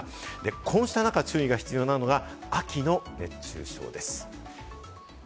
こうした中、注意が必要なのが秋の熱中症です。